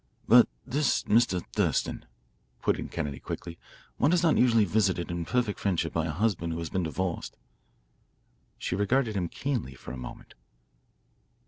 "But this Mr. Thurston," put in Kennedy quickly. "One is not usually visited in perfect friendship by a husband who has been divorced." She regarded him keenly for a moment.